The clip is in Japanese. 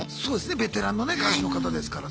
ベテランのね歌手の方ですからね。